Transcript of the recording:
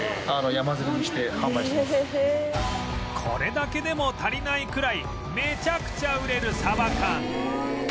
これだけでも足りないくらいめちゃくちゃ売れるサバ缶